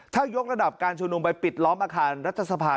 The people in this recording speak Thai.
ถ้ายกระดับการชุมนุมไปปิดล้อมอาคารรัฐสภา